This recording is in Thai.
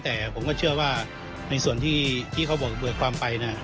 แต่ผมก็เชื่อว่าในส่วนที่เขาเบิกความไปนะ